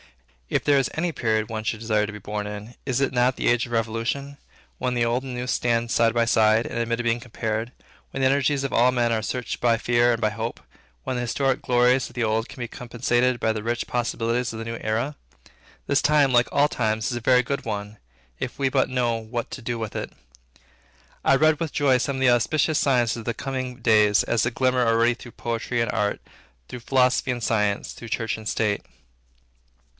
If there is any period one would desire to be born in, is it not the age of Revolution; when the old and the new stand side by side, and admit of being compared; when the energies of all men are searched by fear and by hope; when the historic glories of the old, can be compensated by the rich possibilities of the new era? This time, like all times, is a very good one, if we but know what to do with it. I read with joy some of the auspicious signs of the coming days, as they glimmer already through poetry and art, through philosophy and science, through church and state.